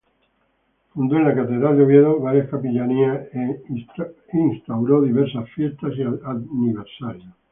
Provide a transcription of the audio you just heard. Fundó en la Catedral de Oviedo varias capellanías e instauró diversas fiestas y aniversarios.